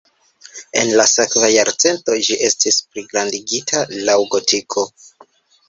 En la sekva jarcento ĝi estis pligrandigita laŭ gotiko.